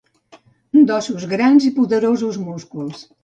D'ossos grans i poderosos músculs.